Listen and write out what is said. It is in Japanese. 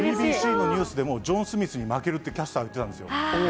世界のニュースでも、ジョン・スミスに負けるとか言ってたんですよ。